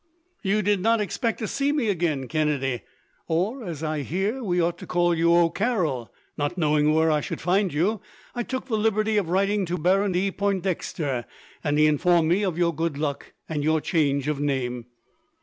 "You did not expect to see me again, Kennedy; or, as I hear we ought to call you, O'Carroll. Not knowing where I should find you, I took the liberty of writing to Baron de Pointdexter, and he informed me of your good luck, and your change of name."